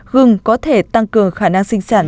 gừng có thể tăng cường khả năng sinh sản